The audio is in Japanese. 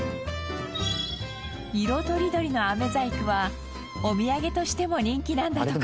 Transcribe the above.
色とりどりの飴細工はお土産としても人気なんだとか。